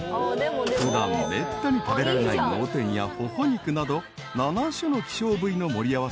［普段めったに食べられない脳天やホホ肉など７種の希少部位の盛り合わせ］